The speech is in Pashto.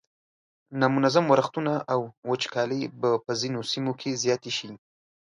نامنظم ورښتونه او وچکالۍ به په ځینو سیمو کې زیاتې شي.